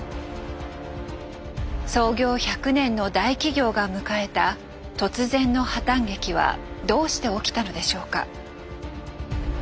創業１００年の大企業が迎えた突然の破たん劇はどうして起きたのでしょうか？